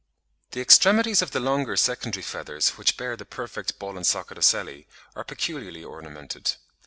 ] The extremities of the longer secondary feathers which bear the perfect ball and socket ocelli, are peculiarly ornamented (Fig.